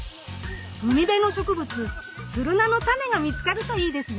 海辺の植物ツルナのタネが見つかるといいですね。